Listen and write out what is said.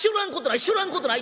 知らんことない。